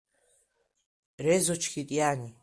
Резо Чхьетиани.